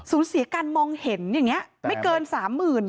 สูญเสียการมองเห็นอย่างนี้ไม่เกิน๓๐๐๐บาท